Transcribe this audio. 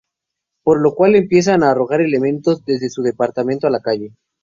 Por lo cual empieza a arrojar elementos desde su departamento a la calle.